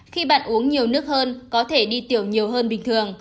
khi bạn uống nhiều nước hơn có thể đi tiểu nhiều hơn bình thường